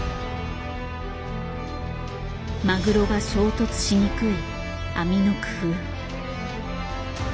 マグロが衝突しにくい網の工夫。